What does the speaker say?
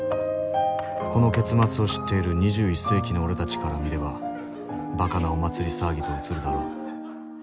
この結末を知っている２１世紀の俺たちから見ればばかなお祭り騒ぎと映るだろう。